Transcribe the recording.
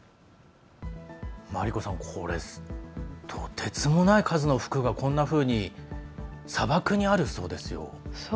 真理子さん、これとてつもない数の服がこんなふうに砂漠にあるそうですよ。